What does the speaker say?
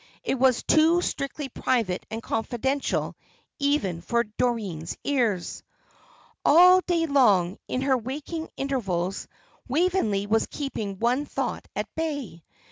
It was too strictly private and confidential even for Doreen's ears. All day long, in her waking intervals, Waveney was keeping one thought at bay.